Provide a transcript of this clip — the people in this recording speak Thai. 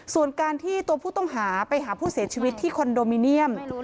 ส่วนการที่ตัวผู้ต้องหาไปหาผู้เสียชีวิตที่คอนโดมิเนียม